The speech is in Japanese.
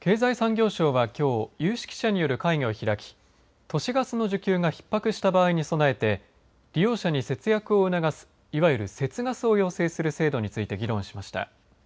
経済産業省はきょう有識者による会議を開き都市ガスの需給がひっ迫した場合に備えて利用者に節ガスを促すいわゆる節ガスを要請する制度について議論しました。